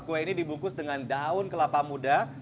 kue ini dibungkus dengan daun kelapa muda